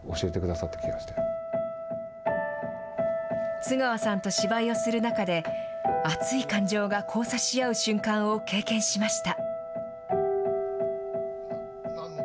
津川さんと芝居をする中で、熱い感情が交差し合う瞬間を経験しました。